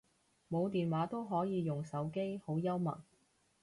冇電話都可以用手機，好幽默